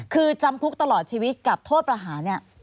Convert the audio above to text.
คือจำคุกตลอดชีวิตกับโทษประหารเนี่ย